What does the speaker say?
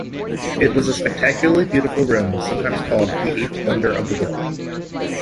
It was a spectacularly beautiful room sometimes called the Eighth Wonder of the world.